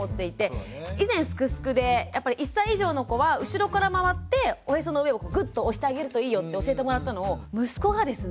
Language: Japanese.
以前「すくすく」でやっぱり１歳以上の子は後ろから回っておへその上をグッと押してあげるといいよって教えてもらったのを息子がですね